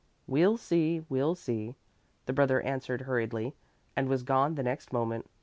"We'll see, we'll see," the brother answered hurriedly, and was gone the next moment.